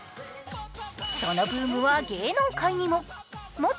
そのブームは芸能界にも。